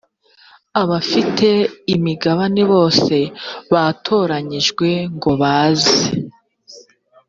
abafite imigabane bose batoranyijwe ngo baze